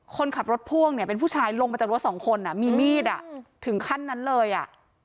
คนขับรถพ่วงเนี่ยเป็นผู้ชายลงมาจากรถสองคนอ่ะมีมีดอ่ะถึงขั้นนั้นเลยอ่ะ